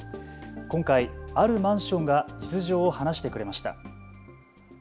今回、あるマンションが実情を話してくれました。